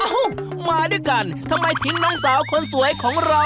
มาด้วยกันทำไมทิ้งน้องสาวคนสวยของเรา